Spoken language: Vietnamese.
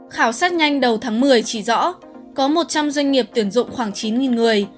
khảo sát nhanh đầu tháng một mươi chỉ rõ có một trăm linh doanh nghiệp tuyển dụng khoảng chín người